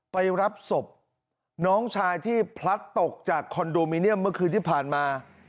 ไปรับศพน้องชายที่พลัดตกจากคอนโดมิเนียมเมื่อคืนที่ผ่านมา